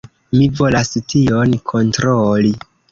Mi volas tion kontroli.